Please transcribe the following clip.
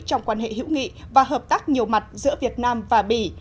trong quan hệ hữu nghị và hợp tác nhiều mặt giữa việt nam và bỉ